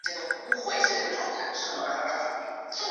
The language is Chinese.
北坞村成为清漪园西部耕织图景区的外延。